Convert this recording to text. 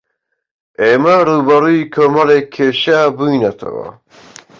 ئێمە ڕووبەڕووی کۆمەڵێک کێشە بووینەتەوە.